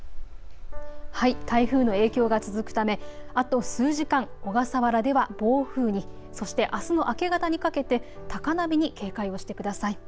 台風の影響が続くためあと数時間、小笠原では暴風に、そしてあすの明け方にかけて高波に警戒をしてください。